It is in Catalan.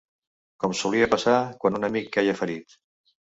Com solia passar quan un amic queia ferit